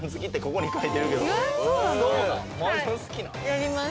やります。